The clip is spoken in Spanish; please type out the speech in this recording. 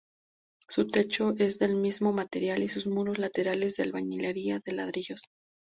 Su techo es del mismo material, y sus muros laterales de albañilería de ladrillos.